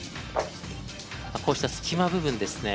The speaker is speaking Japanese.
こうした隙間部分ですね。